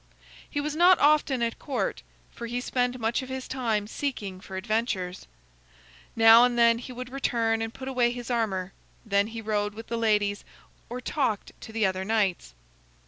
He was not often at court, for he spent much of his time seeking for adventures. Now and then he would return and put away his armor. Then he rode with the ladies or talked to the other knights.